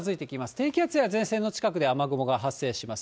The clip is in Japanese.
低気圧や前線の近くで雨雲が発生します。